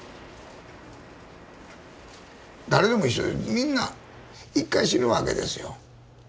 誰でも一緒みんな１回死ぬわけですよ。